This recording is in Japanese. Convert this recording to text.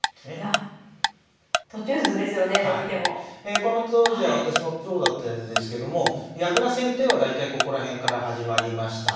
この当時は私もプロだったんですけども矢倉戦といえば大体ここら辺から始まりました。